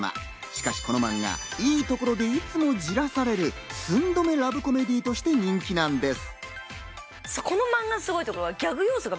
しかし、このマンガはいいところでいつもじらされる、寸止めラブコメディーとして人気なんです。